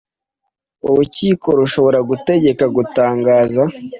urukiko rushobora gutegeka gutangaza